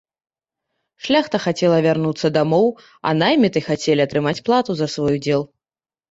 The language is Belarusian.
Шляхта хацела вярнуцца дамоў, а найміты хацелі атрымаць плату за свой удзел.